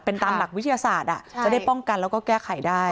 เป็นตามหลักวิทยาศาสตร์จะได้ป้องกันแล้วก็แก้ไขได้